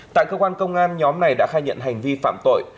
tại cơ quan công an nhóm này đã khai nhận hành vi phạm tội